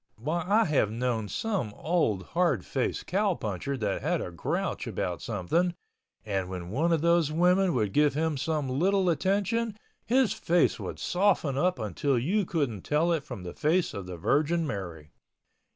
Why I have known some old hard faced cowpuncher that had a grouch about something and when one of those women would give him some little attention his face would soften up until you couldn't tell it from the face of the Virgin Mary.